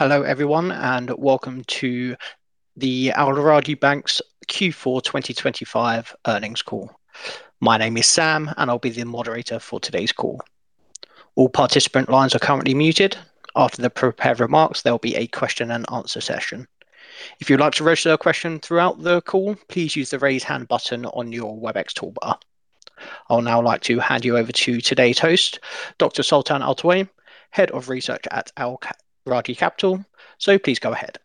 Hello, everyone, and welcome to the Al Rajhi Bank's Q4 2025 earnings call. My name is Sam, and I'll be the moderator for today's call. All participant lines are currently muted. After the prepared remarks, there will be a question and answer session. If you'd like to raise your question throughout the call, please use the Raise Hand button on your Webex toolbar. I'll now like to hand you over to today's host, Dr. Sultan Al-Towaim, Head of Research at Al Rajhi Capital. So please go ahead.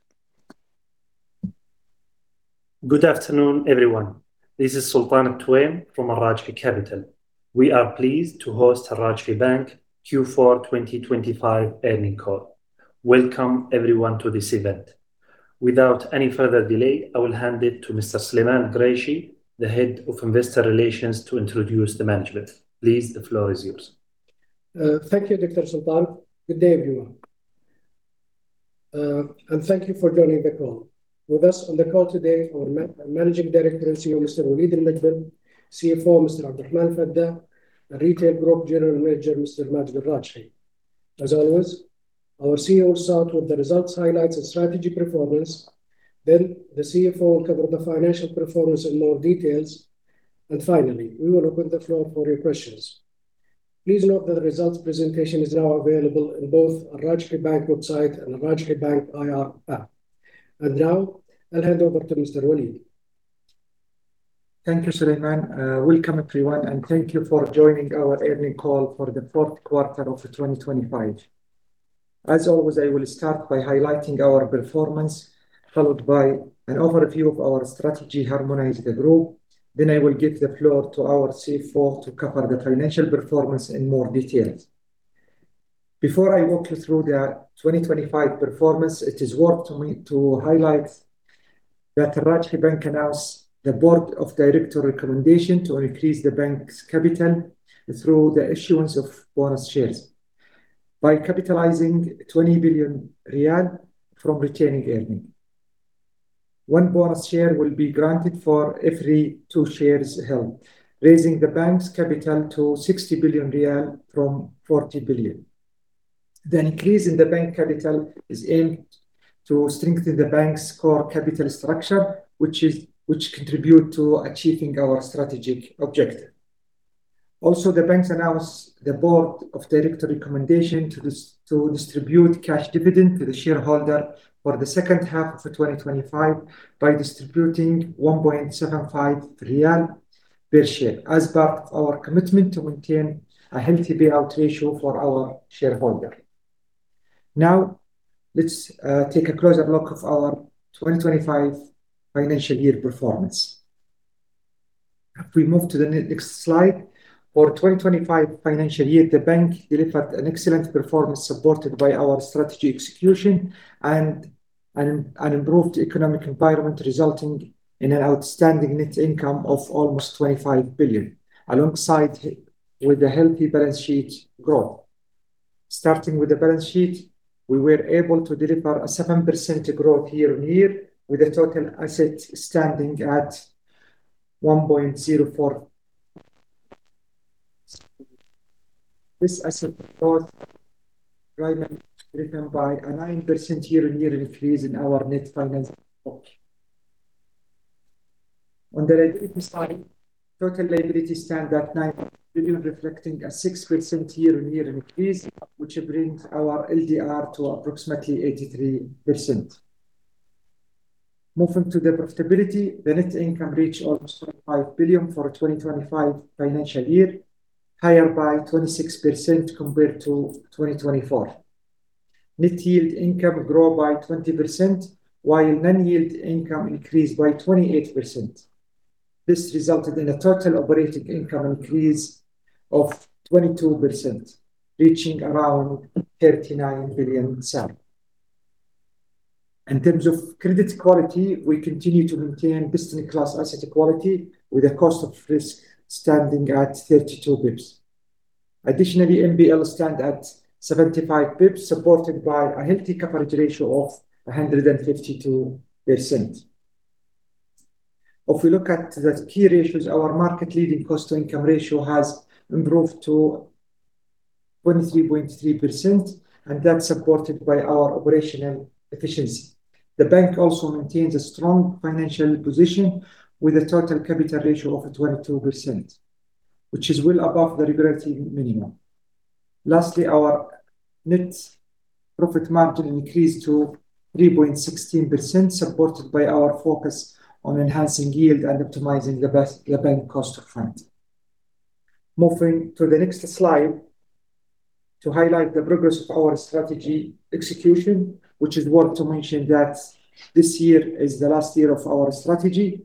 Good afternoon, everyone. This is Sultan Al-Towaim from Al Rajhi Capital. We are pleased to host Al Rajhi Bank Q4 2025 earnings call. Welcome, everyone, to this event. Without any further delay, I will hand it to Mr. Sulaiman Qureshi, the Head of Investor Relations, to introduce the management. Please, the floor is yours. Thank you, Dr. Sultan. Good day, everyone, and thank you for joining the call. With us on the call today, our Managing Director and CEO, Mr. Waleed Al-Mogbel; CFO, Mr. Abdulrahman Al-Fadda; and Retail Group General Manager, Mr. Majed Al-Rajhi. As always, our CEO will start with the results, highlights, and strategy performance. Then the CFO will cover the financial performance in more details. And finally, we will open the floor for your questions. Please note that the results presentation is now available in both Al Rajhi Bank website and Al Rajhi Bank IR App. And now I'll hand over to Mr. Waleed. Thank you, Sulaiman. Welcome, everyone, and thank you for joining our earnings call for the fourth quarter of 2025. As always, I will start by highlighting our performance, followed by an overview of our strategy, Harmonize the Group. Then I will give the floor to our CFO to cover the financial performance in more details. Before I walk you through the 2025 performance, it is worth mentioning to highlight that Al Rajhi Bank announced the board of directors recommendation to increase the bank's capital through the issuance of bonus shares. By capitalizing 20 billion riyal from retained earnings, 1 bonus share will be granted for every two shares held, raising the bank's capital to SAR 60 billion from 40 billion. The increase in the bank capital is aimed to strengthen the bank's core capital structure, which contribute to achieving our strategic objective. Also, the bank announces the board of directors recommendation to distribute cash dividend to the shareholder for the second half of 2025 by distributing SAR 1.75 per share, as part of our commitment to maintain a healthy payout ratio for our shareholder. Now, let's take a closer look of our 2025 financial year performance. If we move to the next slide. For 2025 financial year, the bank delivered an excellent performance, supported by our strategy execution and an improved economic environment, resulting in an outstanding net income of almost 25 billion, alongside with a healthy balance sheet growth. Starting with the balance sheet, we were able to deliver a 7% growth year-on-year, with the total asset standing at 1.04. This asset growth driven by a 9% year-on-year increase in our net financing book. On the liability side, total liability stand at [9 billion], reflecting a 6% year-on-year increase, which brings our LDR to approximately 83%. Moving to the profitability, the net income reached almost 5 billion for 2025 financial year, higher by 26% compared to 2024. Net yield income grow by 20%, while non-yield income increased by 28%. This resulted in a total operating income increase of 22%, reaching around 39 billion. In terms of credit quality, we continue to maintain distinct class asset quality, with a cost of risk standing at 32 basis points. Additionally, NPL stand at 75 basis points, supported by a healthy coverage ratio of 152%. If we look at the key ratios, our market-leading cost-to-income ratio has improved to 23.3%, and that's supported by our operational efficiency. The bank also maintains a strong financial position with a total capital ratio of 22%, which is well above the regulatory minimum. Lastly, our net profit margin increased to 3.16%, supported by our focus on enhancing yield and optimizing the bank's cost of funds. Moving to the next slide to highlight the progress of our strategy execution, which is worth mentioning that this year is the last year of our strategy.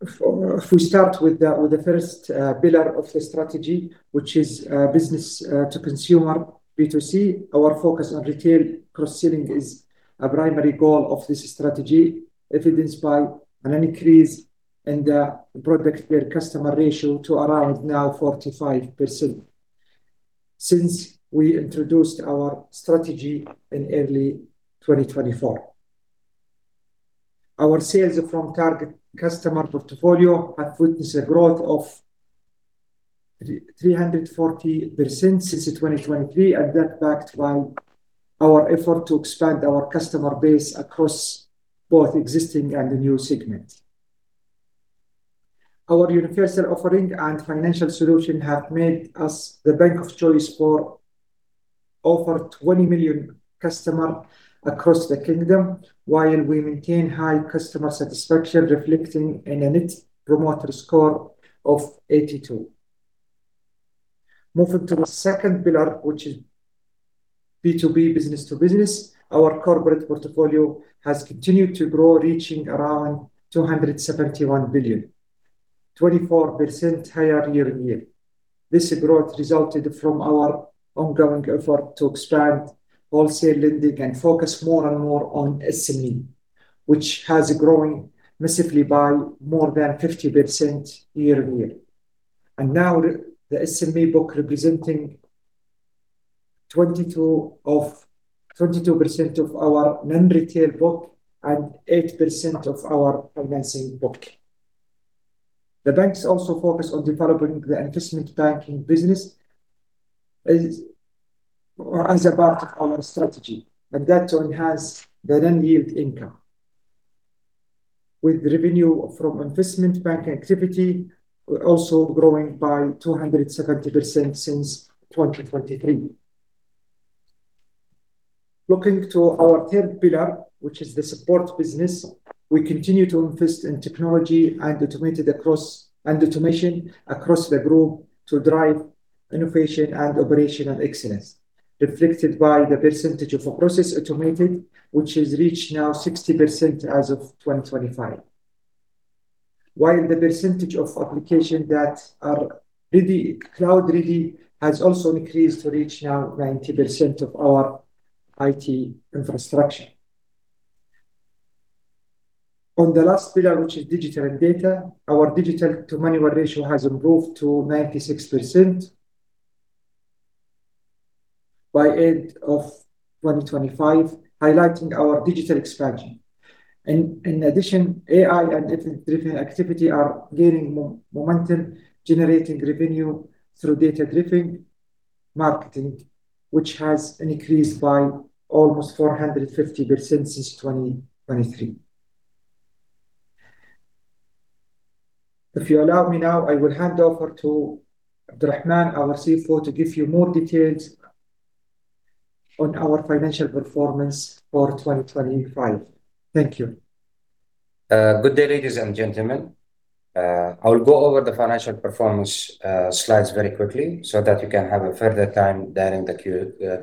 If we start with the first pillar of the strategy, which is business to consumer, B2C, our focus on retail cross-selling is a primary goal of this strategy, evidenced by an increase in the product per customer ratio to around 45% now since we introduced our strategy in early 2024. Our sales from target customer portfolio have witnessed a growth of 340% since 2023, and that backed by our effort to expand our customer base across both existing and new segments. Our universal offering and financial solution have made us the bank of choice for over 20 million customer across the kingdom, while we maintain high customer satisfaction, reflecting in a Net Promoter Score of 82. Moving to the second pillar, which is B2B, business to business, our corporate portfolio has continued to grow, reaching around 271 billion, 24% higher year-on-year. This growth resulted from our ongoing effort to expand wholesale lending and focus more and more on SME, which has grown massively by more than 50% year-on-year. And now the SME book representing 22%, 22% of our non-retail book and 8% of our financing book. The bank's also focused on developing the investment banking business as a part of our strategy, and that to enhance the non-yield income. With revenue from investment bank activity also growing by 270% since 2023. Looking to our third pillar, which is the support business, we continue to invest in technology and automation across the group to drive innovation and operational excellence, reflected by the percentage of a process automated, which has reached now 60% as of 2025. While the percentage of applications that are ready, cloud-ready, has also increased to reach now 90% of our IT infrastructure. On the last pillar, which is digital and data, our digital to manual ratio has improved to 96% by end of 2025, highlighting our digital expansion. In addition, AI and data-driven activity are gaining momentum, generating revenue through data-driven marketing, which has increased by almost 450% since 2023. If you allow me now, I will hand over to Abdulrahman, our CFO, to give you more details on our financial performance for 2025. Thank you. Good day, ladies and gentlemen. I will go over the financial performance slides very quickly so that you can have a further time during the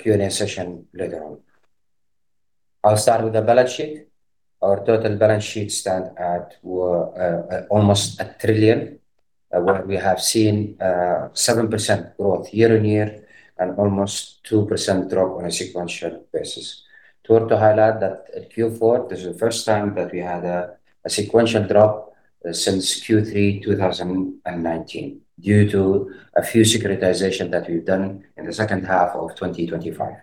Q&A session later on. I'll start with the balance sheet. Our total balance sheet stands at almost 1 trillion, where we have seen 7% growth year-on-year and almost 2% drop on a sequential basis. It's worth to highlight that at Q4, this is the first time that we had a sequential drop since Q3 2019, due to a few securitization that we've done in the second half of 2025.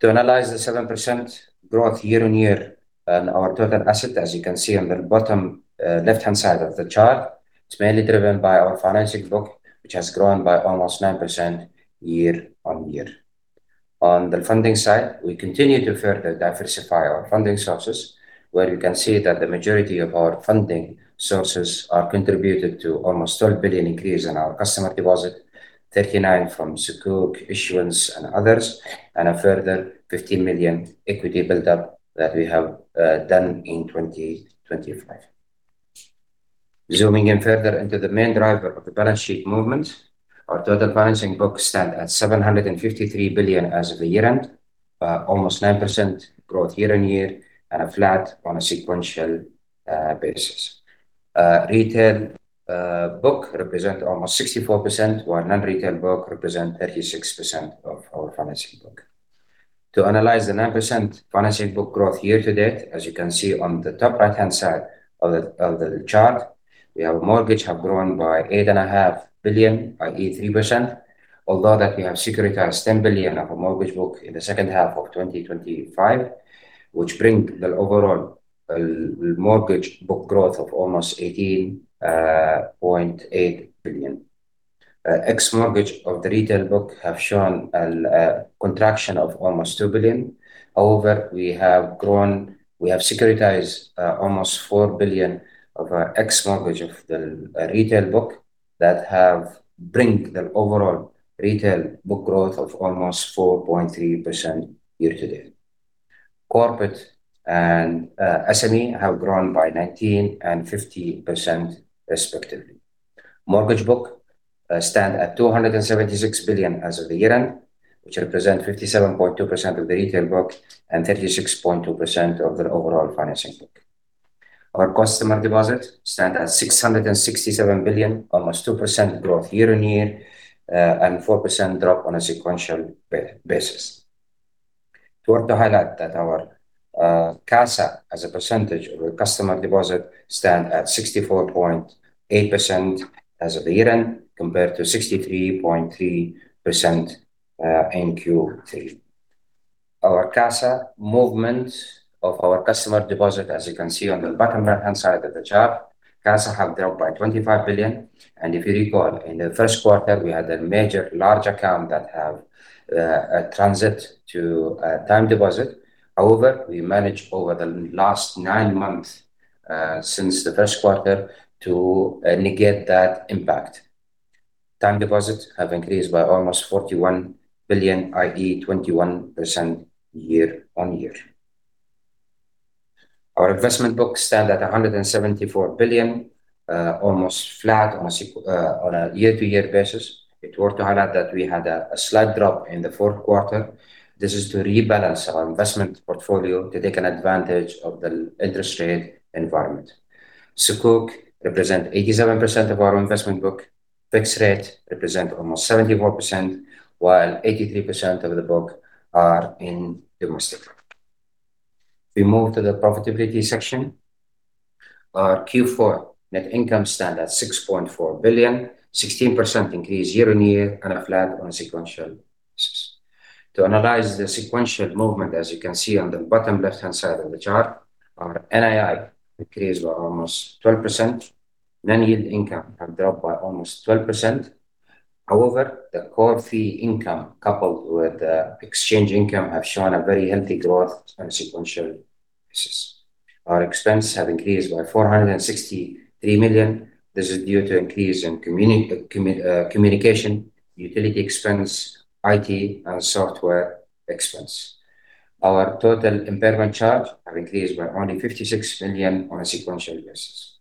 To analyze the 7% growth year-on-year in our total asset, as you can see on the bottom, left-hand side of the chart, it's mainly driven by our financing book, which has grown by almost 9% year-on-year. On the funding side, we continue to further diversify our funding sources, where you can see that the majority of our funding sources are contributed to almost 12 billion increase in our customer deposit, 39 from sukuk issuance and others, and a further 15 million equity buildup that we have done in 2025. Zooming in further into the main driver of the balance sheet movement, our total financing book stand at 753 billion as of the year-end, almost 9% growth year-on-year, and flat on a sequential basis. Retail book represents almost 64%, while non-retail book represents 36% of our financing book. To analyze the 9% financing book growth year to date, as you can see on the top right-hand side of the chart, we have mortgage have grown by 8.5 billion, i.e., 3%. Although that we have securitized 10 billion of a mortgage book in the second half of 2025, which bring the overall mortgage book growth of almost 18.8 billion. Ex mortgage of the retail book have shown a contraction of almost 2 billion. However, we have securitized almost 4 billion of our ex mortgage of the retail book that have bring the overall retail book growth of almost 4.3% year to date. Corporate and SME have grown by 19% and 50% respectively. Mortgage book stand at 276 billion as of the year-end, which represent 57.2% of the retail book and 36.2% of the overall financing book. Our customer deposit stand at 667 billion, almost 2% growth year-over-year, and 4% drop on a sequential basis. It's worth to highlight that our CASA as a percentage of the customer deposit stand at 64.8% as of the year-end, compared to 63.3% in Q3. Our CASA movement of our customer deposit, as you can see on the bottom right-hand side of the chart, CASA have dropped by 25 billion. If you recall, in the first quarter we had a major large account that have transitioned to time deposit. However, we managed over the last nine months since the first quarter to negate that impact. Time deposits have increased by almost 41 billion, i.e., 21% year-on-year. Our investment book stands at 174 billion, almost flat on a year-to-year basis. It's worth highlighting that we had a slight drop in the fourth quarter. This is to rebalance our investment portfolio to take advantage of the interest rate environment. Sukuk represent 87% of our investment book, fixed rate represents almost 74%, while 83% of the book are in domestic. We move to the profitability section. Our Q4 net income stands at 6.4 billion, 16% increase year-on-year and flat on a sequential basis. To analyze the sequential movement, as you can see on the bottom left-hand side of the chart, our NII decreased by almost 12%. Non-yield income has dropped by almost 12%. However, the core fee income, coupled with exchange income, has shown a very healthy growth on a sequential basis. Our expenses have increased by 463 million. This is due to increase in communication, utility expense, IT and software expense. Our total impairment charge has increased by only 56 million on a sequential basis.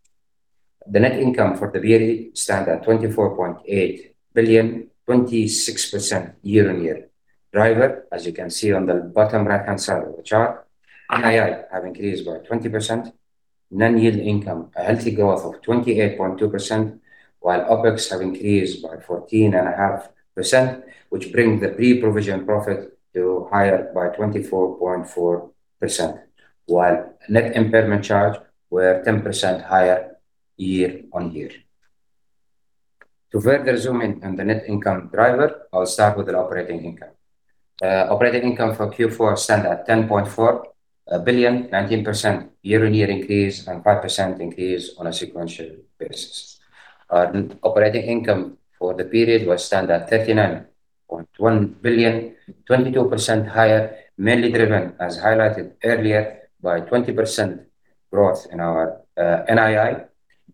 The net income for the period stands at 24.8 billion, 26% year-on-year. Driver, as you can see on the bottom right-hand side of the chart, NII have increased by 20%. Non-yield income, a healthy growth of 28.2%, while OpEx have increased by 14.5%, which bring the pre-provision profit to higher by 24.4%, while net impairment charge were 10% higher year-on-year. To further zoom in on the net income driver, I'll start with the operating income. Operating income for Q4 stand at 10.4 billion, 19% year-on-year increase and 5% increase on a sequential basis. Our operating income for the period was stand at 39.1 billion, 22% higher, mainly driven, as highlighted earlier, by 20% growth in our, NII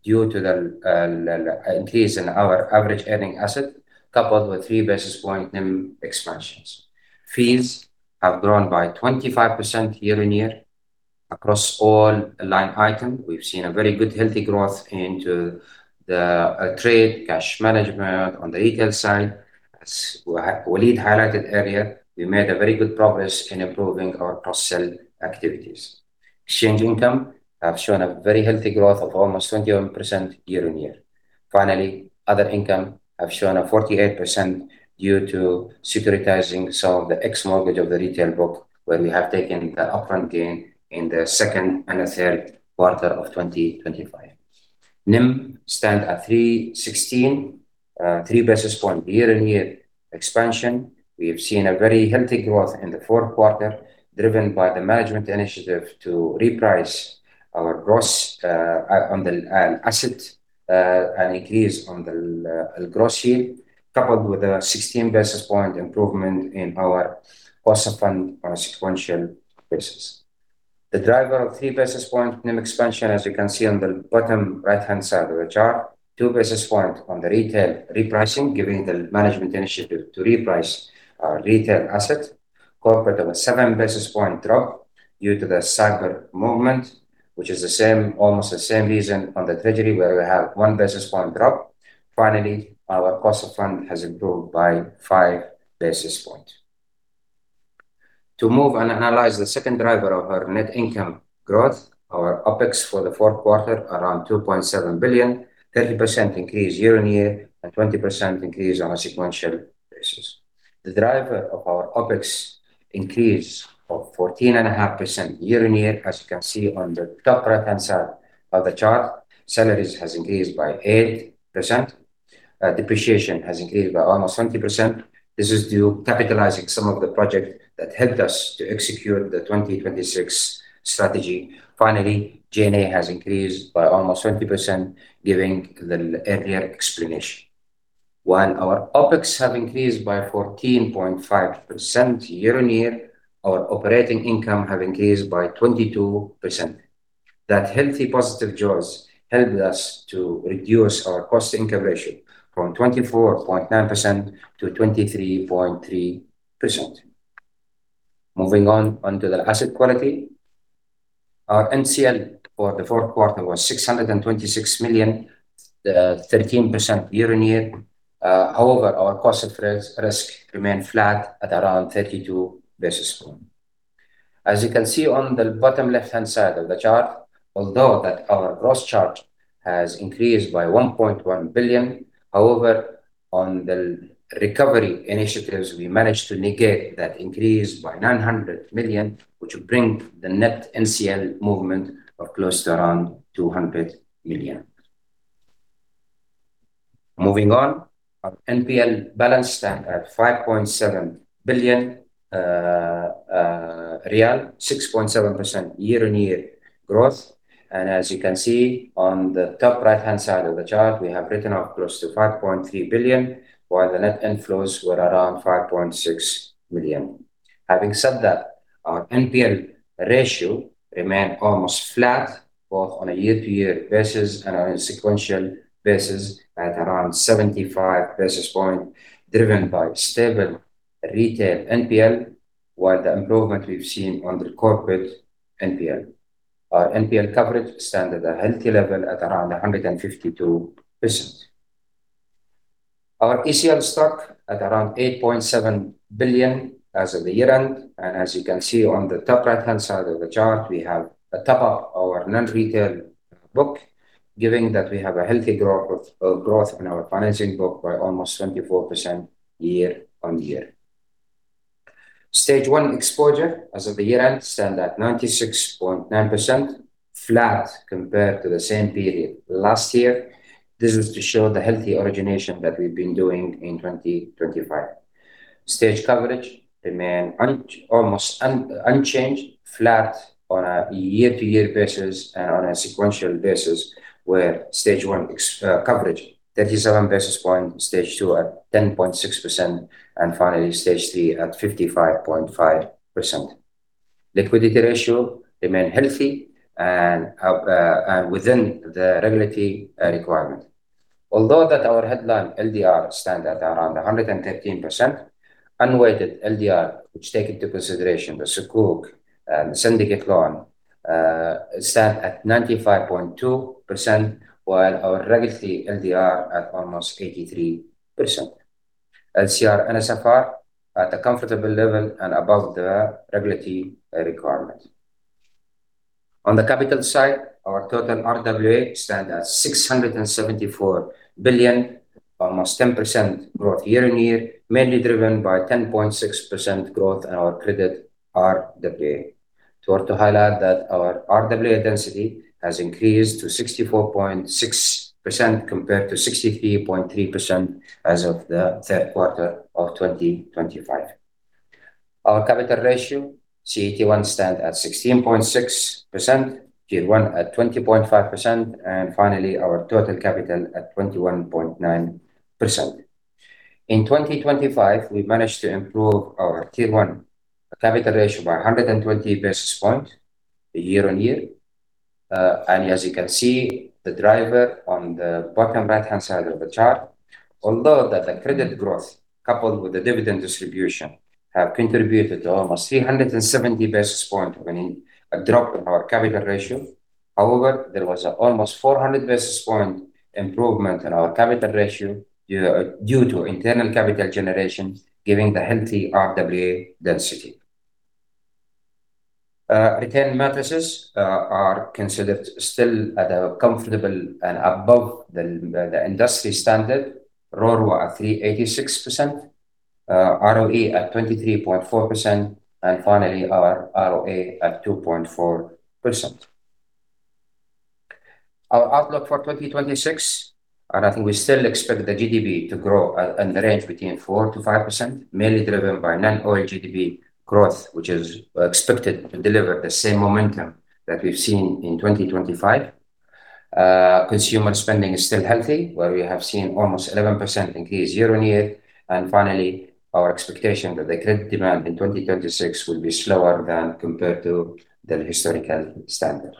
due to the, increase in our average earning asset, coupled with three basis point NIM expansions. Fees have grown by 25% year-on-year across all line item. We've seen a very good healthy growth into the, trade, cash management. On the retail side, as Waleed highlighted earlier, we made a very good progress in improving our cross-sell activities. Exchange income have shown a very healthy growth of almost 21% year-on-year. Finally, other income have shown a 48% due to securitizing some of the SME mortgage of the retail book, where we have taken the upfront gain in the second and the third quarter of 2025. NIM stand at 3.16, three basis points year-on-year expansion. We have seen a very healthy growth in the fourth quarter, driven by the management initiative to reprice our gross, on the, asset, and increase on the, gross yield, coupled with a 16 basis point improvement in our cost of fund on a sequential basis. The driver of three basis point NIM expansion, as you can see on the bottom right-hand side of the chart, two basis point on the retail repricing, giving the management initiative to reprice our retail asset. Corporate have a seven basis point drop due to the SAIBOR movement, which is the same, almost the same reason on the treasury, where we have 1 basis point drop. Finally, our cost of fund has improved by 5 basis point. To move and analyze the second driver of our net income growth, our OpEx for the fourth quarter, around 2.7 billion, 30% increase year-on-year and 20% increase on a sequential basis. The driver of our OpEx increase of 14.5% year-on-year, as you can see on the top right-hand side of the chart, salaries has increased by 8%, depreciation has increased by almost 20%. This is due to capitalizing some of the project that helped us to execute the 2026 strategy. Finally, G&A has increased by almost 20%, giving the earlier explanation. While our OpEx have increased by 14.5% year-on-year, our operating income have increased by 22%. That healthy positive jaws helped us to reduce our cost-to-income ratio from 24.9% to 23.3%. Moving on to the asset quality. Our NCL for the fourth quarter was 626 million, thirteen percent year-on-year. However, our cost of risk remained flat at around 32 basis points. As you can see on the bottom left-hand side of the chart, although that our gross charge has increased by 1.1 billion, however, on the recovery initiatives, we managed to negate that increase by 900 million, which bring the net NCL movement of close to around 200 million. Moving on, our NPL balance stand at SAR 5.7 billion, riyal, 6.7% year-on-year growth. As you can see on the top right-hand side of the chart, we have written off close to 5.3 billion, while the net inflows were around 5.6 million. Having said that, our NPL ratio remained almost flat, both on a year-to-year basis and on a sequential basis, at around 75 basis points, driven by stable retail NPL, while the improvement we've seen on the corporate NPL. Our NPL coverage stand at a healthy level at around 152%. Our ECL stock at around 8.7 billion as of the year-end, and as you can see on the top right-hand side of the chart, we have a top-up our non-retail book, giving that we have a healthy growth of growth in our financing book by almost 24% year-on-year. Stage one exposure as of the year-end stands at 96.9%, flat compared to the same period last year. This is to show the healthy origination that we've been doing in 2025. Stage coverage remains unchanged, flat on a year-to-year basis and on a sequential basis, where stage one coverage, 37 basis point, stage two at 10.6%, and finally, stage three at 55.5%. Liquidity ratio remains healthy and within the regulatory requirement. Although that our headline LDR stands at around 113%, unweighted LDR, which takes into consideration the sukuk syndicate loan, stands at 95.2%, while our regulatory LDR at almost 83%. LCR and NSFR at a comfortable level and above the regulatory requirement. On the capital side, our total RWA stand at 674 billion, almost 10% growth year-on-year, mainly driven by 10.6% growth in our credit RWA. It's worth to highlight that our RWA density has increased to 64.6%, compared to 63.3% as of the third quarter of 2025. Our capital ratio, CET1, stand at 16.6%, Tier one at 20.5%, and finally, our total capital at 21.9%. In 2025, we managed to improve our Tier one capital ratio by a hundred and twenty basis points year-on-year. And as you can see, the driver on the bottom right-hand side of the chart. Although that the credit growth, coupled with the dividend distribution, have contributed to almost 370 basis point in a drop in our capital ratio. However, there was an almost 400 basis point improvement in our capital ratio due to internal capital generation, giving the healthy RWA density. Return metrics are considered still at a comfortable and above the industry standard. ROAA at 3.86%, ROE at 23.4%, and finally, our ROA at 2.4%. Our outlook for 2026, and I think we still expect the GDP to grow at in the range between 4%-5%, mainly driven by non-oil GDP growth, which is expected to deliver the same momentum that we've seen in 2025. Consumer spending is still healthy, where we have seen almost 11% increase year-on-year. And finally, our expectation that the credit demand in 2026 will be slower than compared to the historical standard.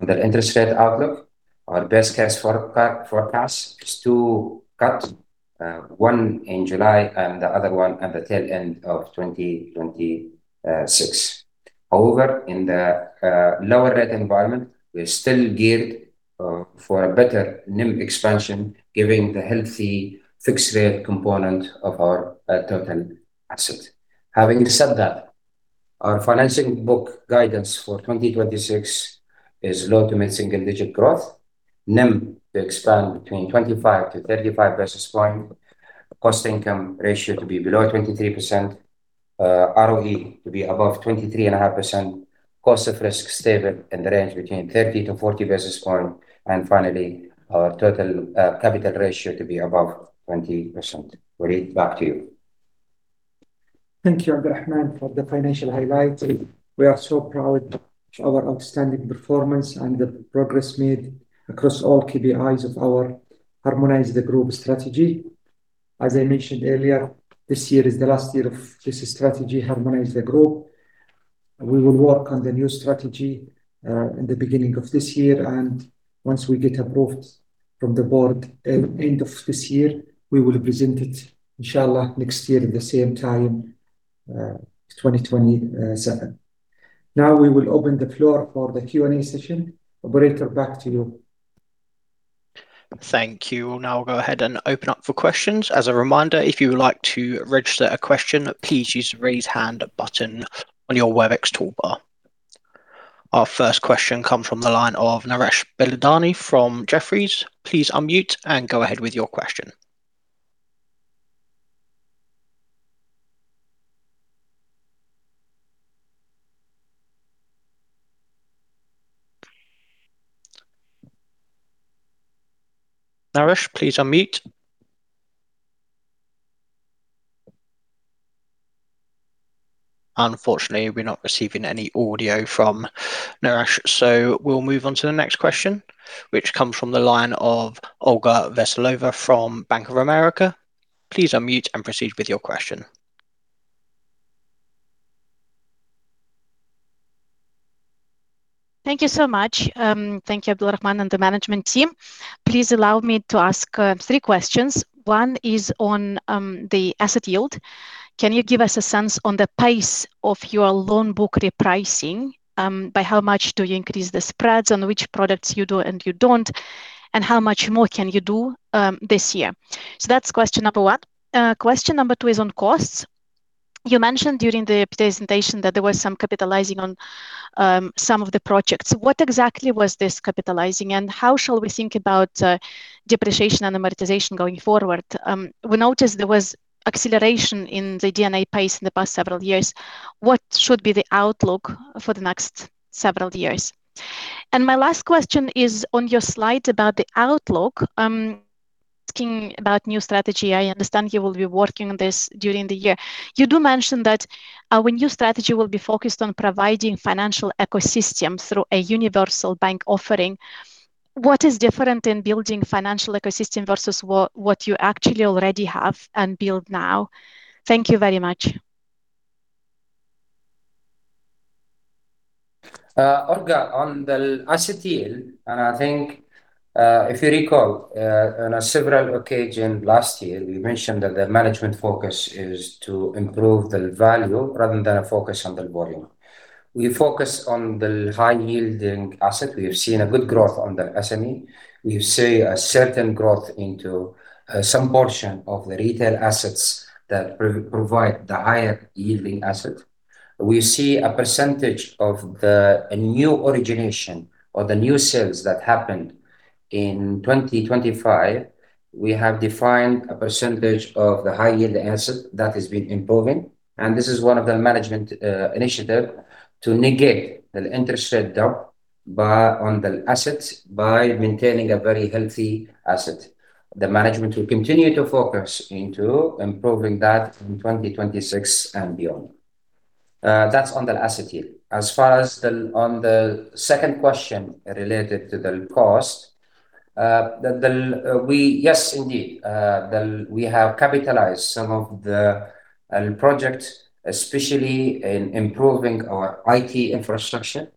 Under the interest rate outlook, our best case forecast is to cut one in July and the other one at the tail end of 2026. However, in the lower rate environment, we're still geared for a better NIM expansion, giving the healthy fixed rate component of our total assets. Having said that, our financing book guidance for 2026 is low to mid-single digit growth. NIM to expand between 25-35 basis points. Cost-income ratio to be below 23%. ROE to be above 23.5%. Cost of risk, stable in the range between 30-40 basis points. Finally, our total capital ratio to be above 20%. Waleed, back to you. Thank you, Abdulrahman, for the financial highlights. We are so proud of our outstanding performance and the progress made across all KPIs of our Harmonize the Group strategy. As I mentioned earlier, this year is the last year of this strategy, Harmonize the Group. We will work on the new strategy in the beginning of this year, and once we get approved from the board at end of this year, we will present it, Inshallah, next year at the same time, 2027. Now, we will open the floor for the Q&A session. Operator, back to you. Thank you. We'll now go ahead and open up for questions. As a reminder, if you would like to register a question, please use the Raise Hand button on your Webex toolbar. Our first question comes from the line of Naresh Bilandani from Jefferies. Please unmute and go ahead with your question.... Naresh, please unmute. Unfortunately, we're not receiving any audio from Naresh, so we'll move on to the next question, which comes from the line of Olga Veselova from Bank of America. Please unmute and proceed with your question. Thank you so much. Thank you, Abdulrahman, and the management team. Please allow me to ask three questions. One is on the asset yield. Can you give us a sense on the pace of your loan book repricing? By how much do you increase the spreads, on which products you do and you don't, and how much more can you do this year? So that's question number one. Question number two is on costs. You mentioned during the presentation that there was some capitalizing on some of the projects. What exactly was this capitalizing, and how shall we think about depreciation and amortization going forward? We noticed there was acceleration in the D&A pace in the past several years. What should be the outlook for the next several years? And my last question is on your slide about the outlook. Asking about new strategy, I understand you will be working on this during the year. You do mention that, when your strategy will be focused on providing financial ecosystem through a universal bank offering, what is different in building financial ecosystem versus what, what you actually already have and build now? Thank you very much. Olga, on the asset yield, and I think, if you recall, on several occasions last year, we mentioned that the management focus is to improve the value rather than a focus on the volume. We focus on the high-yielding asset. We have seen a good growth on the SME. We've seen a certain growth into some portion of the retail assets that provide the higher-yielding asset. We see a percentage of the new origination or the new sales that happened in 2025, we have defined a percentage of the high-yield asset that has been improving, and this is one of the management initiative to negate the interest rate down by on the asset by maintaining a very healthy asset. The management will continue to focus into improving that in 2026 and beyond. That's on the asset yield. As far as the... On the second question related to the cost, we have capitalized some of the project, especially in improving our IT infrastructure,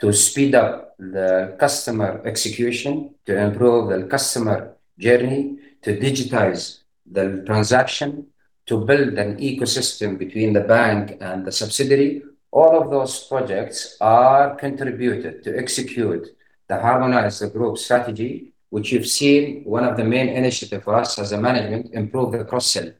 to speed up the customer execution, to improve the customer journey, to digitize the transaction, to build an ecosystem between the bank and the subsidiary. All of those projects are contributed to execute the Harmonize the Group strategy, which you've seen one of the main initiative for us as a management, improve the cross-sell.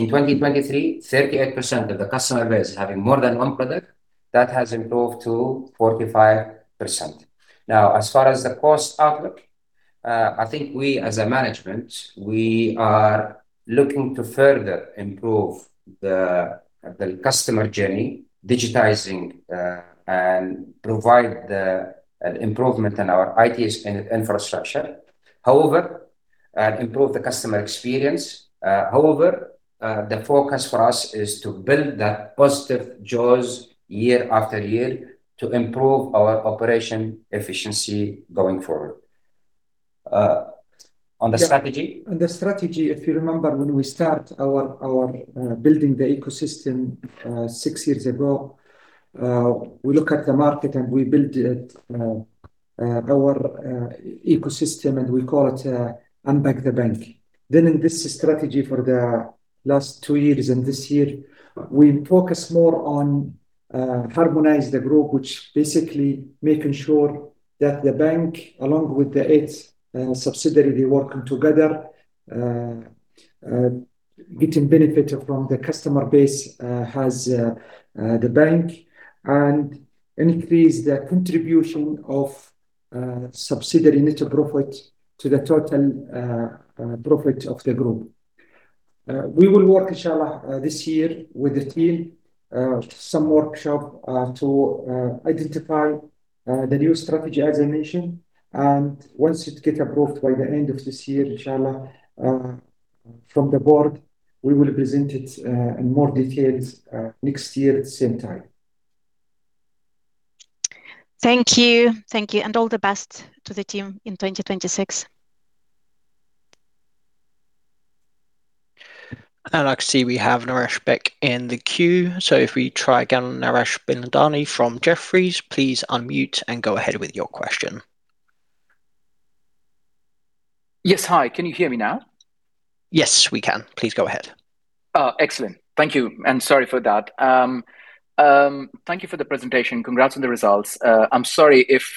In 2023, 38% of the customer base having more than one product, that has improved to 45%. Now, as far as the cost outlook, I think we as a management, we are looking to further improve the customer journey, digitizing, and provide an improvement in our IT infrastructure. However, improve the customer experience, however, the focus for us is to build that positive jaws year after year to improve our operational efficiency going forward. On the strategy? On the strategy, if you remember, when we start our building the ecosystem six years ago, we look at the market and we build our ecosystem, and we call it Unbank the Bank. Then in this strategy for the last two years and this year, we focus more on Harmonize the Group, which basically making sure that the bank, along with the eight subsidiary working together, getting benefit from the customer base has the bank and increase the contribution of subsidiary net profit to the total profit of the group. We will work, Inshallah, this year with the team some workshop to identify the new strategy, as I mentioned. Once it get approved by the end of this year, Inshallah, from the board, we will present it in more details next year at the same time. Thank you. Thank you, and all the best to the team in 2026. I can see we have Naresh back in the queue. So if we try again, Naresh Bilandani from Jefferies, please unmute and go ahead with your question. Yes. Hi, can you hear me now? Yes, we can. Please go ahead. Oh, excellent. Thank you, and sorry for that. Thank you for the presentation. Congrats on the results. I'm sorry if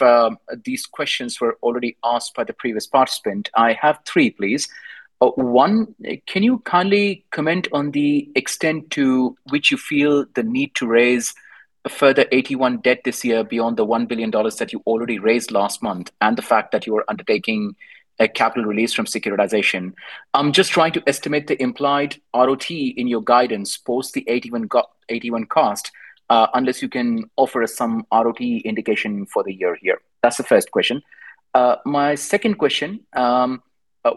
these questions were already asked by the previous participant. I have three, please. One, can you kindly comment on the extent to which you feel the need to raise a further AT1 debt this year beyond the $1 billion that you already raised last month, and the fact that you are undertaking a capital release from securitization? I'm just trying to estimate the implied RoTE in your guidance post the AT1 go, AT1 cost, unless you can offer us some RoTE indication for the year here. That's the first question. My second question,...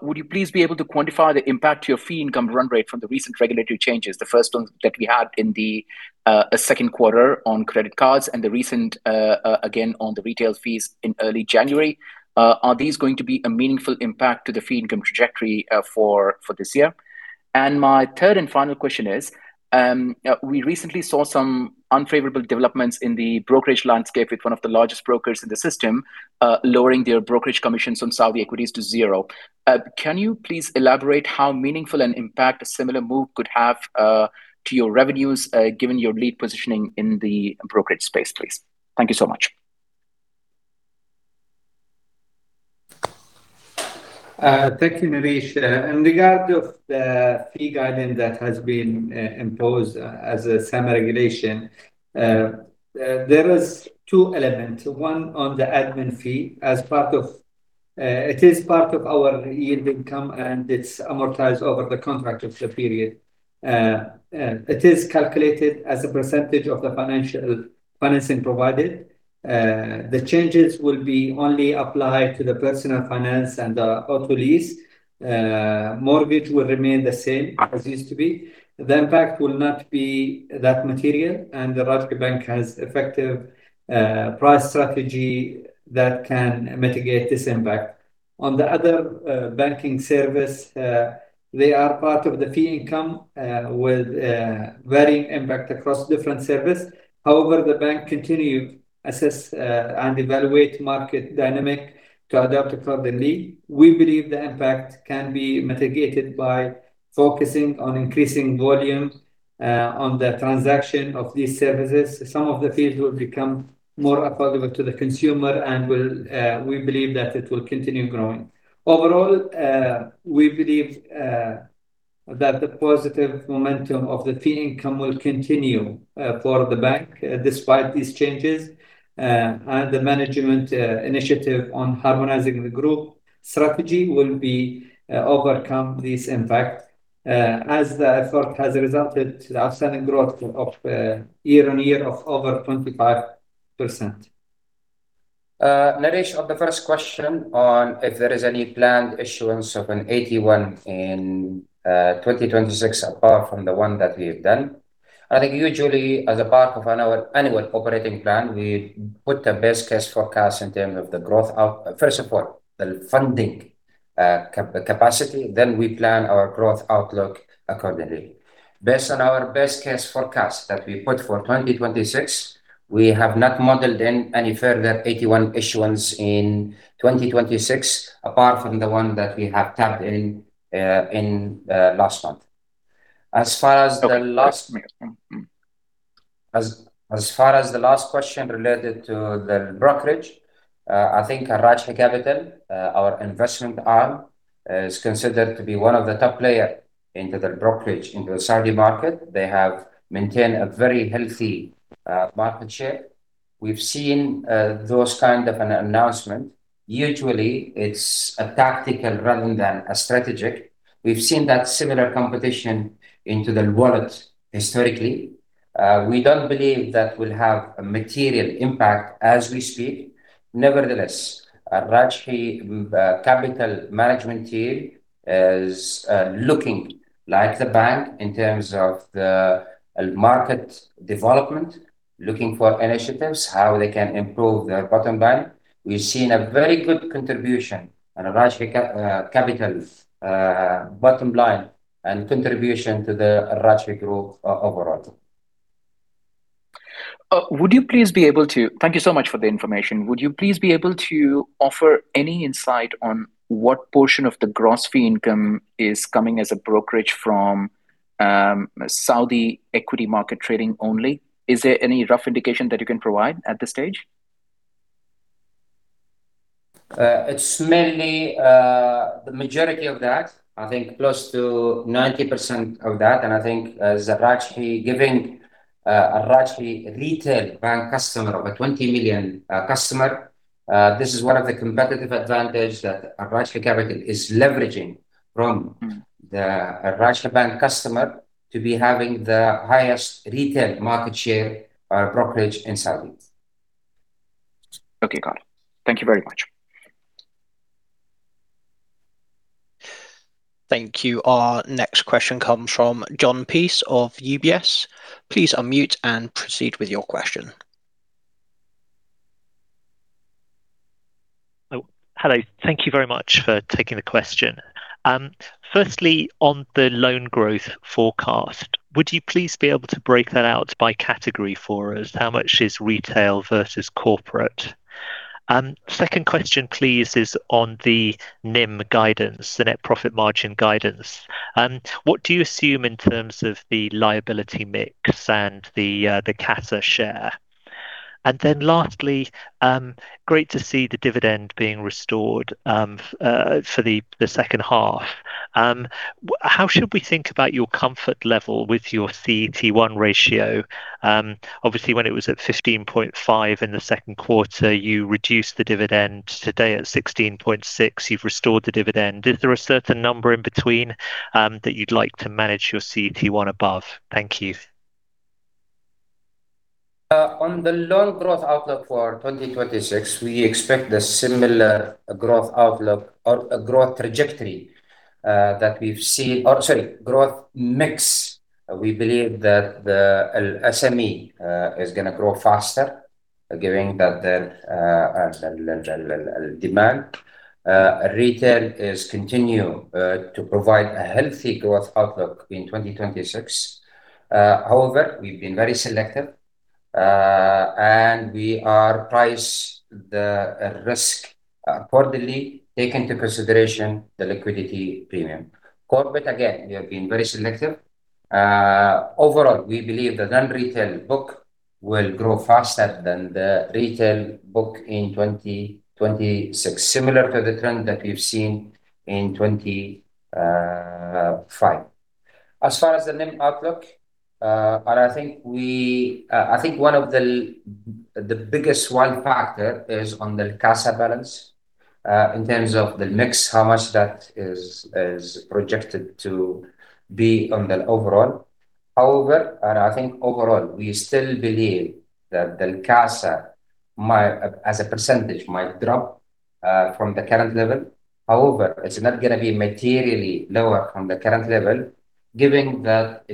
Would you please be able to quantify the impact to your fee income run rate from the recent regulatory changes, the first ones that we had in the second quarter on credit cards and the recent, again, on the retail fees in early January? Are these going to be a meaningful impact to the fee income trajectory for this year? And my third and final question is, we recently saw some unfavorable developments in the brokerage landscape with one of the largest brokers in the system lowering their brokerage commissions on Saudi equities to zero. Can you please elaborate how meaningful an impact a similar move could have to your revenues given your lead positioning in the brokerage space, please? Thank you so much. Thank you, Naresh. In regard of the fee guidance that has been imposed as a SAMA regulation, there is two elements. One, on the admin fee. As part of, it is part of our yield income, and it's amortized over the contract of the period. It is calculated as a percentage of the financial financing provided. The changes will be only applied to the personal finance and the auto lease. Mortgage will remain the same as it used to be. The impact will not be that material, and Al Rajhi Bank has effective, price strategy that can mitigate this impact. On the other, banking service, they are part of the fee income, with, varying impact across different service. However, the bank continue, assess, and evaluate market dynamic to adapt accordingly. We believe the impact can be mitigated by focusing on increasing volume on the transaction of these services. Some of the fees will become more affordable to the consumer and will... we believe that it will continue growing. Overall, we believe that the positive momentum of the fee income will continue for the bank despite these changes. And the management initiative on harmonizing the group strategy will overcome this impact as the effort has resulted to the outstanding growth of year-on-year of over 25%. Naresh, on the first question on if there is any planned issuance of an AT1 in 2026, apart from the one that we have done, I think usually as a part of our annual operating plan, we put the best-case forecast in terms of the growth out. First of all, the funding capacity, then we plan our growth outlook accordingly. Based on our best-case forecast that we put for 2026, we have not modeled in any further AT1 issuance in 2026, apart from the one that we have tapped in last month. As far as the last question related to the brokerage, I think Al Rajhi Capital, our investment arm, is considered to be one of the top player into the brokerage in the Saudi market. They have maintained a very healthy market share. We've seen those kind of an announcement. Usually, it's a tactical rather than a strategic. We've seen that similar competition into the world historically. We don't believe that will have a material impact as we speak. Nevertheless, Al Rajhi Capital management team is looking like the bank in terms of the market development, looking for initiatives, how they can improve their bottom line. We've seen a very good contribution on Al Rajhi Capital's bottom line and contribution to the Al Rajhi group overall. Thank you so much for the information. Would you please be able to offer any insight on what portion of the gross fee income is coming as a brokerage from Saudi equity market trading only? Is there any rough indication that you can provide at this stage? It's mainly the majority of that, I think close to 90% of that, and I think as Al Rajhi giving, Al Rajhi retail bank customer of a 20 million, customer, this is one of the competitive advantage that Al Rajhi Capital is leveraging from- Mm-hmm... the Al Rajhi Bank customer to be having the highest retail market share, brokerage in Saudi. Okay, got it. Thank you very much. Thank you. Our next question comes from Jon Peace of UBS. Please unmute and proceed with your question. Oh, hello. Thank you very much for taking the question. Firstly, on the loan growth forecast, would you please be able to break that out by category for us? How much is retail versus corporate? Second question, please, is on the NIM guidance, the net profit margin guidance. What do you assume in terms of the liability mix and the, the CASA share? And then lastly, great to see the dividend being restored, for the second half. How should we think about your comfort level with your CET1 ratio? Obviously, when it was at 15.5 in the second quarter, you reduced the dividend. Today, at 16.6, you've restored the dividend. Is there a certain number in between, that you'd like to manage your CET1 above? Thank you. On the loan growth outlook for 2026, we expect a similar growth outlook or a growth trajectory, that we've seen, or sorry, growth mix. We believe that the SME is going to grow faster, given that the demand. Retail is continue to provide a healthy growth outlook in 2026. However, we've been very selective, and we are price the risk accordingly, take into consideration the liquidity premium. Corporate, again, we have been very selective. Overall, we believe the non-retail book will grow faster than the retail book in 2026, similar to the trend that we've seen in 2025. As far as the NIM outlook, and I think one of the biggest factor is on the CASA balance, in terms of the mix, how much that is, is projected to be on the overall. However, I think overall, we still believe that the CASA might, as a percentage, might drop from the current level. However, it's not going to be materially lower from the current level, given that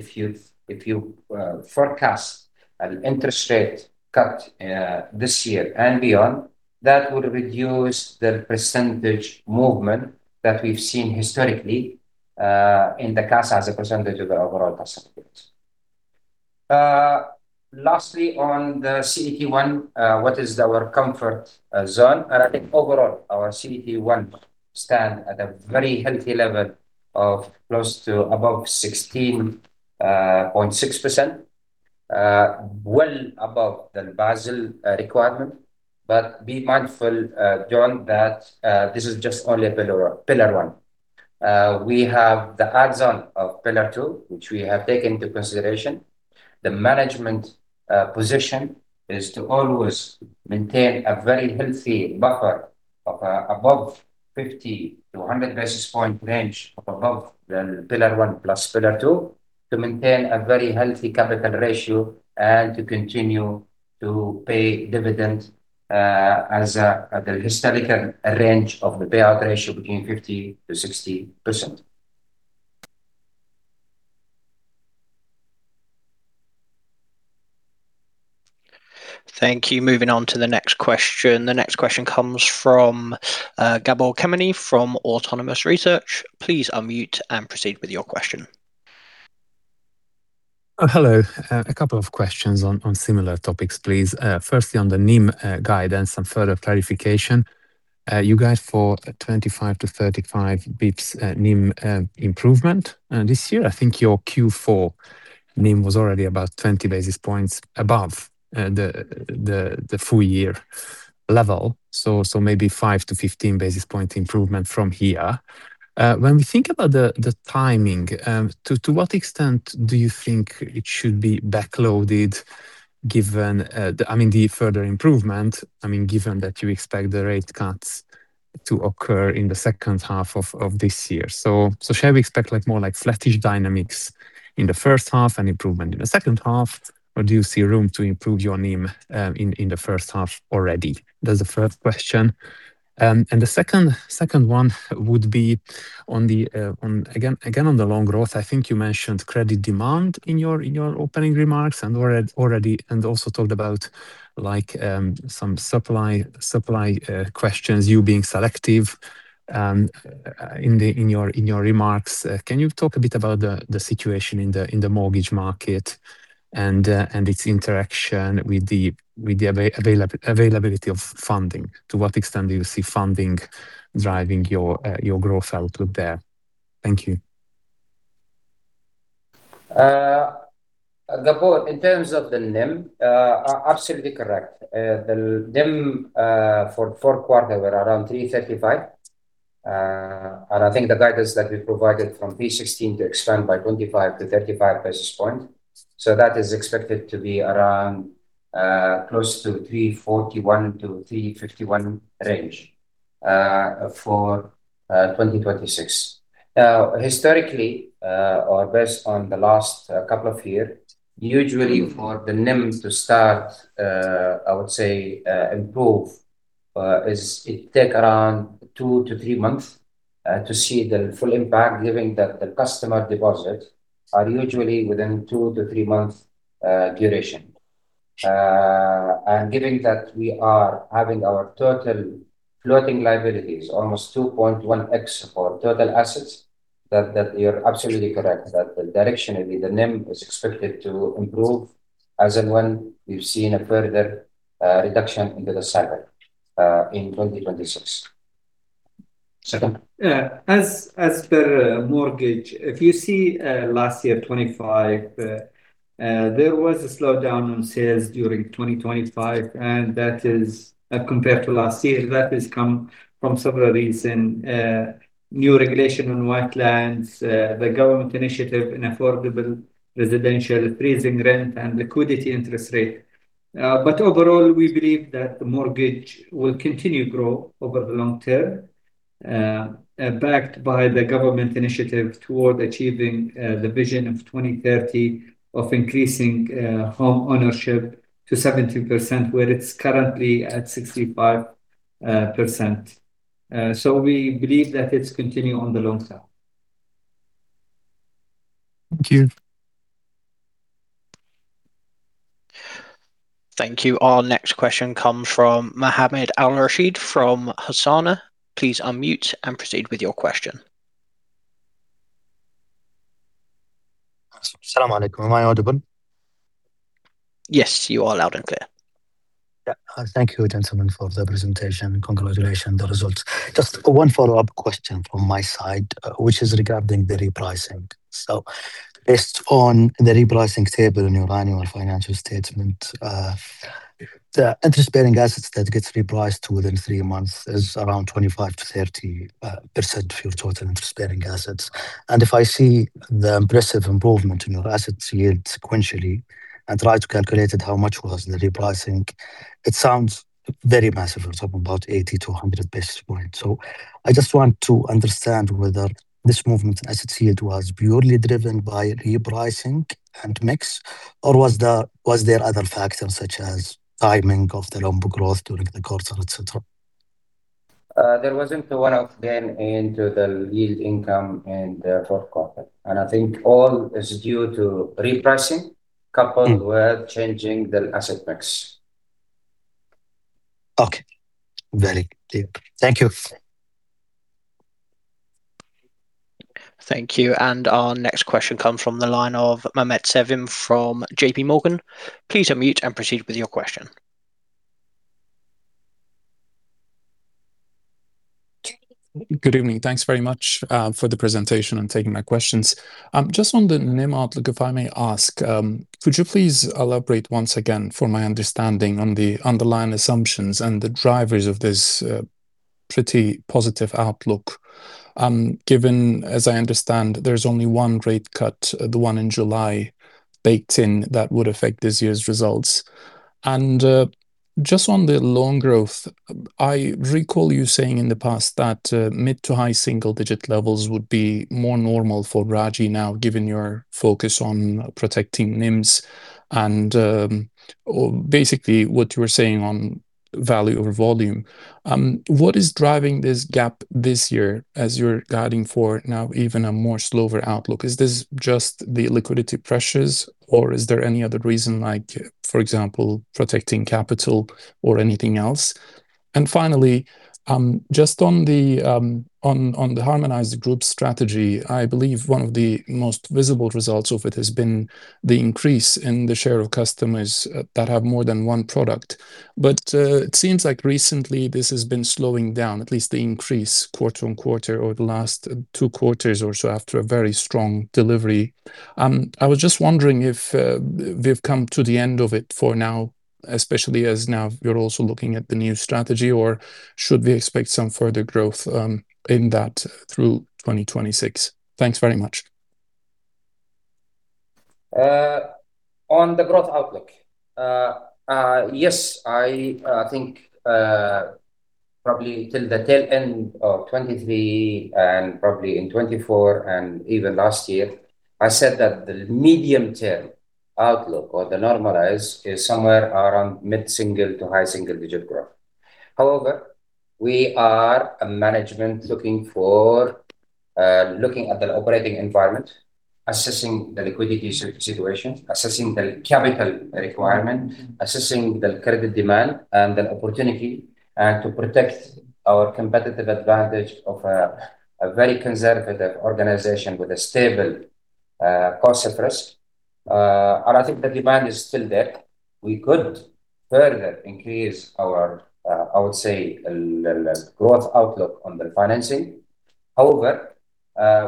if you forecast an interest rate cut this year and beyond, that would reduce the percentage movement that we've seen historically in the CASA as a percentage of the overall CASA balance. Lastly, on the CET1, what is our comfort zone? I think overall, our CET1 stand at a very healthy level of close to above 16.6%. Well above the Basel requirement. But be mindful, Jon, that, this is just only pillar, pillar one. We have the add-on of pillar two, which we have taken into consideration. The management position is to always maintain a very healthy buffer of, above 50-100 basis point range or above the pillar one plus pillar two, to maintain a very healthy capital ratio and to continue to pay dividend, as, the historical range of the payout ratio between 50%-60%. Thank you. Moving on to the next question. The next question comes from Gabor Kemeny from Autonomous Research. Please unmute and proceed with your question. Oh, hello. A couple of questions on similar topics, please. Firstly, on the NIM guidance, some further clarification. You guide for a 25-35 bps NIM improvement this year. I think your Q4 NIM was already about 20 basis points above the full year level, so maybe 5-15 basis point improvement from here. When we think about the timing, to what extent do you think it should be backloaded, given the further improvement, I mean, given that you expect the rate cuts to occur in the second half of this year? So, so shall we expect, like, more like flattish dynamics in the first half and improvement in the second half, or do you see room to improve your NIM in the first half already? That's the first question. And the second, second one would be on the, on again, again, on the loan growth. I think you mentioned credit demand in your, in your opening remarks and already, already and also talked about like, some supply, supply questions, you being selective in the, in your, in your remarks. Can you talk a bit about the, the situation in the, in the mortgage market and, and its interaction with the, with the availability of funding? To what extent do you see funding driving your, your growth outlook there? Thank you. Gabor, in terms of the NIM, absolutely correct. The NIM for fourth quarter were around 3.35. And I think the guidance that we provided from 2026 to expand by 25-35 basis points. So that is expected to be around, close to 3.41-3.51 range, for 2026. Now, historically, or based on the last couple of year, usually for the NIM to start, I would say, improve. It takes around 2-3 months to see the full impact, given that the customer deposits are usually within 2-3 months duration. And given that we are having our total floating liabilities, almost 2.1x for total assets, that you're absolutely correct, that directionally the NIM is expected to improve as and when we've seen a further reduction in the cycle, in 2026. Second? As per mortgage, if you see, last year, 25, there was a slowdown on sales during 2025, and that is compared to last year, that has come from several reason. New regulation on White Land Tax, the government initiative in affordable residential, freezing rent, and liquidity interest rate. But overall, we believe that the mortgage will continue to grow over the long term... backed by the government initiative toward achieving the Vision of 2030, of increasing home ownership to 70%, where it's currently at 65%. We believe that it's continue on the long term. Thank you. Thank you. Our next question comes from Mohammed Al-Rasheed from Hassana. Please unmute and proceed with your question. As-salamu alaykum. Am I audible? Yes, you are loud and clear. Yeah. Thank you, gentlemen, for the presentation, and congratulations on the results. Just one follow-up question from my side, which is regarding the repricing. So based on the repricing table in your annual financial statement, the interest-bearing assets that gets repriced within three months is around 25-30% of your total interest-bearing assets. And if I see the impressive improvement in your assets yield sequentially and try to calculate it, how much was the repricing? It sounds very massive, it's up about 80-100 basis points. So I just want to understand whether this movement in assets yield was purely driven by repricing and mix, or was there, was there other factors such as timing of the loan book growth during the quarter, et cetera? There wasn't a one-off then into the yield income and fourth quarter. I think all is due to repricing- Mm... coupled with changing the asset mix. Okay. Very clear. Thank you. Thank you. And our next question comes from the line of Mehmet Sevim from JP Morgan. Please unmute and proceed with your question. Good evening. Thanks very much for the presentation and taking my questions. Just on the NIM outlook, if I may ask, could you please elaborate once again for my understanding on the underlying assumptions and the drivers of this pretty positive outlook? Given, as I understand, there's only one rate cut, the one in July, baked in that would affect this year's results. Just on the loan growth, I recall you saying in the past that mid to high single digit levels would be more normal for Rajhi now, given your focus on protecting NIMs and, or basically what you were saying on value over volume. What is driving this gap this year as you're guiding for now even a more slower outlook? Is this just the liquidity pressures, or is there any other reason, like, for example, protecting capital or anything else? And finally, just on the harmonized group strategy, I believe one of the most visible results of it has been the increase in the share of customers that have more than one product. But, it seems like recently this has been slowing down, at least the increase quarter on quarter or the last two quarters or so, after a very strong delivery. I was just wondering if we've come to the end of it for now, especially as now you're also looking at the new strategy, or should we expect some further growth in that through 2026? Thanks very much. On the growth outlook, yes, I think, probably till the tail end of 2023 and probably in 2024 and even last year, I said that the medium-term outlook or the normalize is somewhere around mid-single- to high-single-digit growth. However, we are a management looking at the operating environment, assessing the liquidity situation, assessing the capital requirement, assessing the credit demand and the opportunity, and to protect our competitive advantage of a very conservative organization with a stable cost of risk. And I think the demand is still there. We could further increase our, I would say, the growth outlook on the financing. However,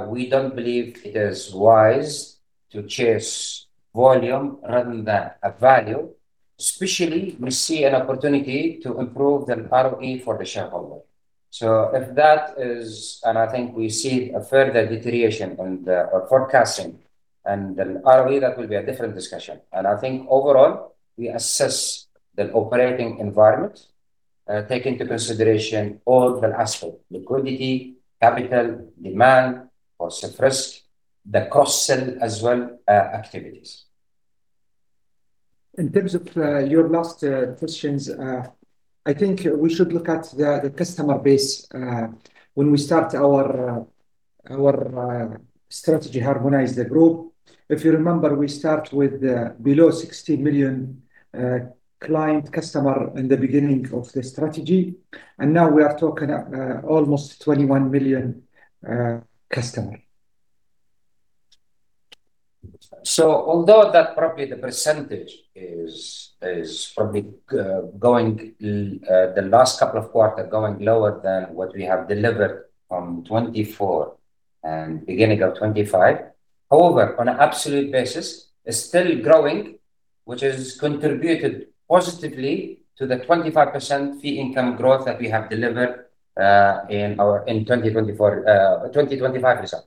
we don't believe it is wise to chase volume rather than a value, especially we see an opportunity to improve the ROE for the shareholder. So if that is... I think we see a further deterioration in our forecasting and the ROE, that will be a different discussion. I think overall, we assess the operating environment, take into consideration all the aspects: liquidity, capital, demand, asset risk, the costs as well, activities. In terms of your last questions, I think we should look at the customer base when we start our strategy Harmonize the Group. If you remember, we start with below 60 million client customer in the beginning of the strategy, and now we are talking almost 21 million customer. So although that probably the percentage is probably going the last couple of quarter going lower than what we have delivered from 2024 and beginning of 2025. However, on an absolute basis, it's still growing, which has contributed positively to the 25% fee income growth that we have delivered in our in 2024 2025 result....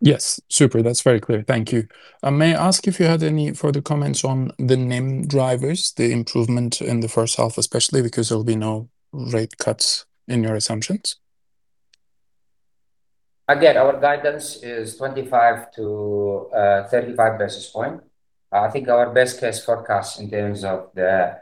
Yes. Super, that's very clear. Thank you. May I ask if you had any further comments on the NIM drivers, the improvement in the first half, especially because there'll be no rate cuts in your assumptions? Again, our guidance is 25-35 basis point. I think our best case forecast in terms of the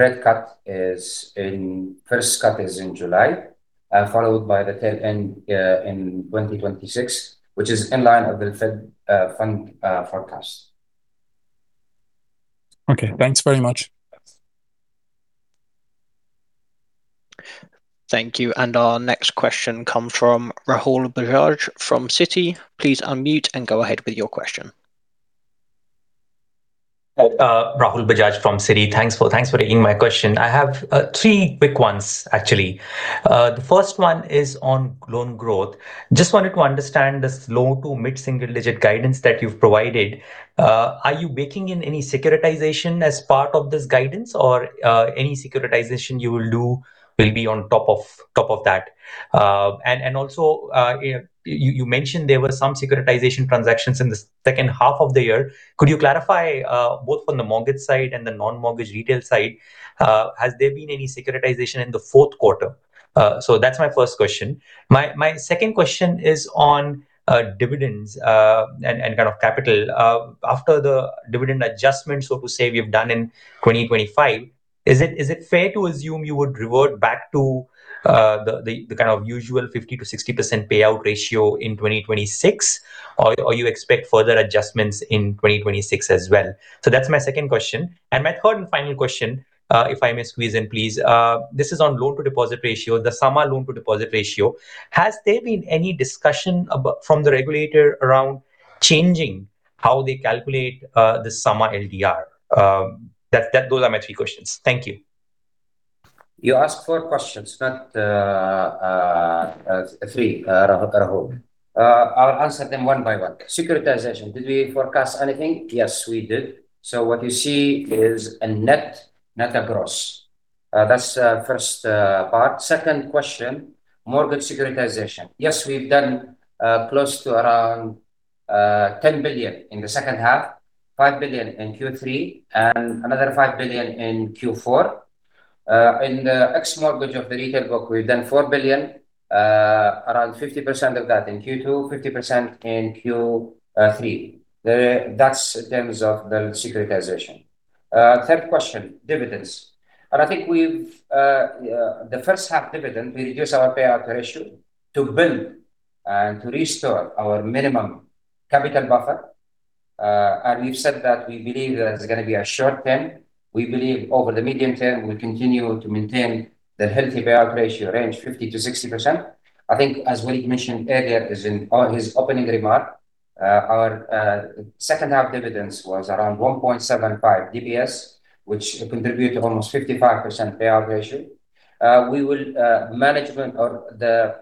rate cut is in first cut is in July, followed by the tail end in 2026, which is in line of the Fed fund forecast. Okay, thanks very much. Thank you. Our next question comes from Rahul Bajaj from Citi. Please unmute and go ahead with your question. Rahul Bajaj from Citi. Thanks for taking my question. I have three quick ones, actually. The first one is on loan growth. Just wanted to understand the slow to mid-single-digit guidance that you've provided. Are you baking in any securitization as part of this guidance or any securitization you will do will be on top of that? And also, you mentioned there were some securitization transactions in the second half of the year. Could you clarify both on the mortgage side and the non-mortgage retail side, has there been any securitization in the fourth quarter? So that's my first question. My second question is on dividends and kind of capital. After the dividend adjustment, so to say, we've done in 2025, is it fair to assume you would revert back to the kind of usual 50%-60% payout ratio in 2026, or you expect further adjustments in 2026 as well? So that's my second question. And my third and final question, if I may squeeze in, please. This is on loan-to-deposit ratio, the SAMA loan-to-deposit ratio. Has there been any discussion about, from the regulator around changing how they calculate the SAMA LDR? Those are my three questions. Thank you. You asked four questions, not three, Rahul. I'll answer them one by one. Securitization, did we forecast anything? Yes, we did. So what you see is a net, net across. That's the first part. Second question, mortgage securitization. Yes, we've done close to around 10 billion in the second half, 5 billion in Q3, and another 5 billion in Q4. In the X mortgage of the retail book, we've done 4 billion, around 50% of that in Q2, 50% in Q3. That's in terms of the securitization. Third question, dividends. I think we've... The first half dividend, we reduced our payout ratio to build and to restore our minimum capital buffer. We've said that we believe that it's going to be a short term. We believe over the medium term, we continue to maintain the healthy payout ratio range, 50%-60%. I think, as Waleed mentioned earlier in his opening remark, our second half dividends was around 1.75 DPS, which contribute to almost 55% payout ratio. We will management or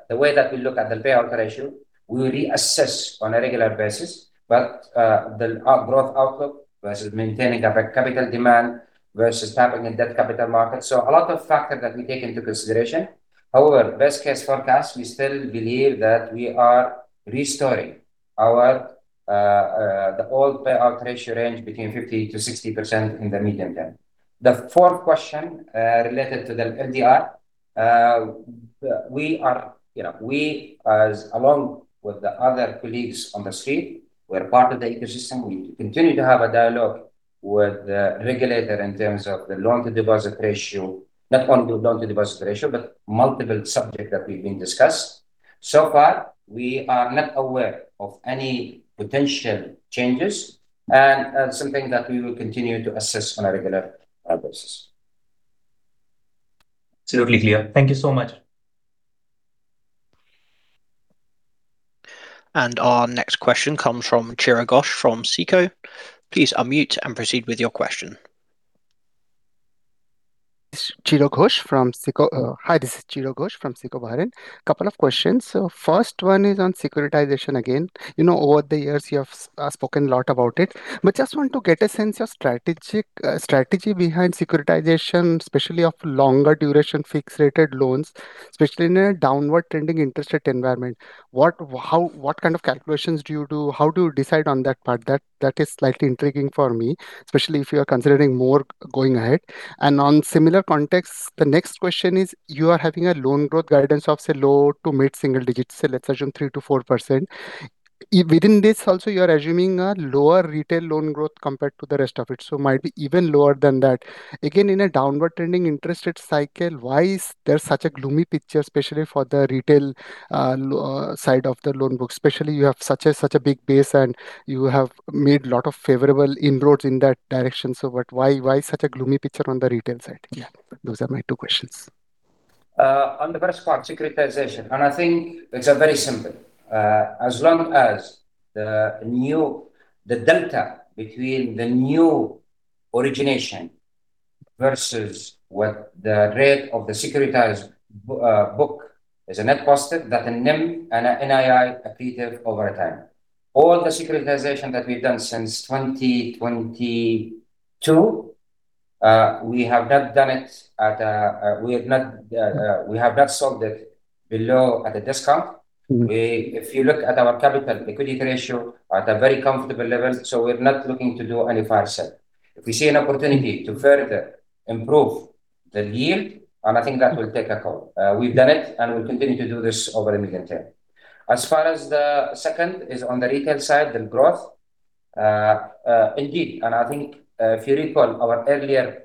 the way that we look at the payout ratio, we reassess on a regular basis. But our growth outlook versus maintaining the capital demand versus tapping in debt capital markets. So a lot of factors that we take into consideration. However, best case forecast, we still believe that we are restoring our old payout ratio range between 50%-60% in the medium term. The fourth question related to the LDR. We are, you know, we, as along with the other colleagues on the street, we're part of the ecosystem. We continue to have a dialogue with the regulator in terms of the loan-to-deposit ratio. Not only the loan-to-deposit ratio, but multiple subject that we've been discussed. So far, we are not aware of any potential changes, and something that we will continue to assess on a regular basis. Absolutely clear. Thank you so much. Our next question comes from Chiro Ghosh from SICO. Please unmute and proceed with your question. Chiro Ghosh from SICO. Hi, this is Chiro Ghosh from SICO, Bahrain. Couple of questions. So first one is on securitization again. You know, over the years, you have spoken a lot about it, but just want to get a sense of strategic strategy behind securitization, especially of longer duration, fixed-rated loans, especially in a downward trending interest rate environment. What kind of calculations do you do? How do you decide on that part? That is slightly intriguing for me, especially if you are considering more going ahead. And on similar context, the next question is: You are having a loan growth guidance of, say, low to mid single digits. So let's assume 3%-4%. Within this also, you are assuming a lower retail loan growth compared to the rest of it, so might be even lower than that. Again, in a downward trending interest rate cycle, why is there such a gloomy picture, especially for the retail loan side of the loan book? Especially, you have such a big base, and you have made a lot of favorable inroads in that direction. Why, why such a gloomy picture on the retail side? Yeah, those are my two questions. On the first part, securitization, and I think it's very simple. As long as the new, the delta between the new origination versus what the rate of the securitized book is a net positive, that the NIM and NII accretive over time. All the securitization that we've done since 2022. We have not sold it below at a discount. Mm-hmm. We, if you look at our capital equity ratio, are at a very comfortable level, so we're not looking to do any fire sale. If we see an opportunity to further improve the yield, and I think that- Mm... will take a call. We've done it, and we'll continue to do this over the medium term. As far as the second is on the retail side, the growth, indeed, and I think, if you recall our earlier,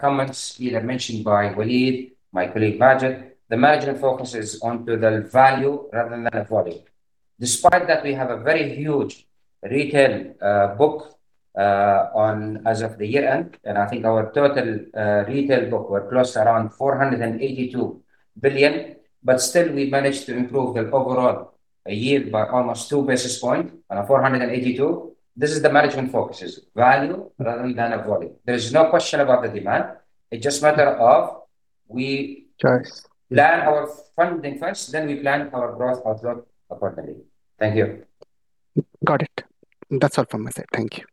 comments, either mentioned by Waleed, my colleague Majed, the management focuses onto the value rather than the volume. Despite that, we have a very huge retail, book, on as of the year-end, and I think our total, retail book were close to around 482 billion, but still we managed to improve the overall yield by almost two basis point on 482. This is the management focuses, value rather than volume. There is no question about the demand. It's just matter of we- Right. Plan our funding first, then we plan our growth outlook accordingly. Thank you. Got it. That's all from my side. Thank you.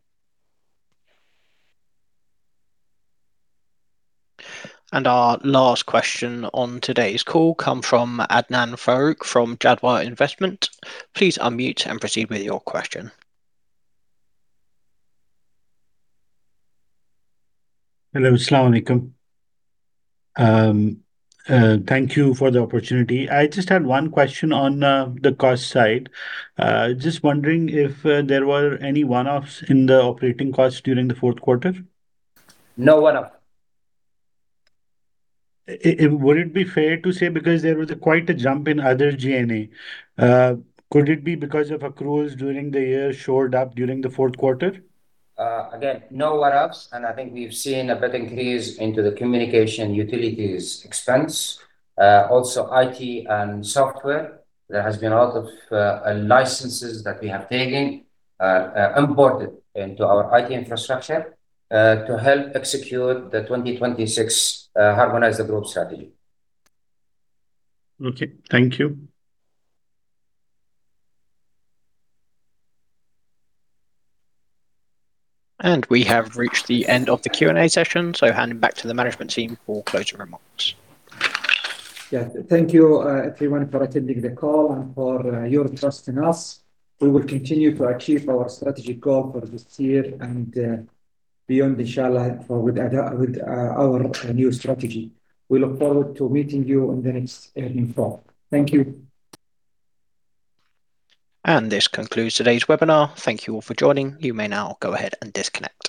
Our last question on today's call come from Adnan Farooq from Jadwa Investment. Please unmute and proceed with your question. Hello, Assalamu Alaikum. Thank you for the opportunity. I just had one question on the cost side. Just wondering if there were any one-offs in the operating costs during the fourth quarter? No one-off. Would it be fair to say, because there was quite a jump in other G&A, could it be because of accruals during the year showed up during the fourth quarter? Again, no one-offs, and I think we've seen a bit increase into the communication utilities expense. Also, IT and software, there has been a lot of licenses that we have taken, imported into our IT infrastructure, to help execute the 2026 Harmonize the Group strategy. Okay. Thank you. We have reached the end of the Q&A session, so handing back to the management team for closing remarks. Yeah. Thank you, everyone, for attending the call and for your trust in us. We will continue to achieve our strategic goal for this year and beyond, Inshallah, with our new strategy. We look forward to meeting you in the next earnings call. Thank you. This concludes today's webinar. Thank you all for joining. You may now go ahead and disconnect.